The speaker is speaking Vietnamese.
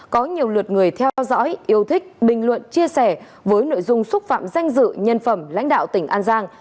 có nhiều lượt người theo dõi yêu thích bình luận chia sẻ với nội dung xúc phạm danh dự nhân phẩm lãnh đạo tỉnh an giang